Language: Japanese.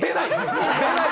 出ない！